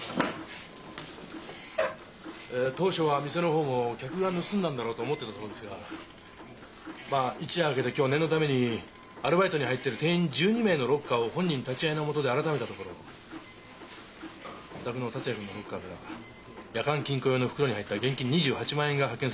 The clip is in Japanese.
当初は店の方も「客が盗んだんだろう」と思ってたそうですがまあ一夜明けて今日念のためにアルバイトに入っている店員１２名のロッカーを本人立ち会いの下であらためたところお宅の達也君のロッカーから夜間金庫用の袋に入った現金２８万円が発見されたんです。